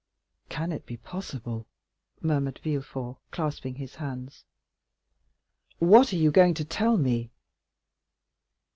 "Can it be possible?" murmured Villefort, clasping his hands. "What are you going to tell me?"